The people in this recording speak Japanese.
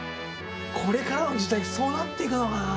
これからの時代、そうなっていくのかな。